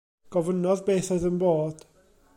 Gofynnodd beth oedd yn bod.